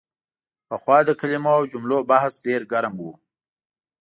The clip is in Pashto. پخوا د کلمو او جملو بحث ډېر ګرم و.